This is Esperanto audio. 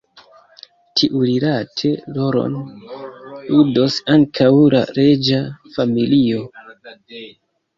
Tiurilate rolon ludos ankaŭ la reĝa familio.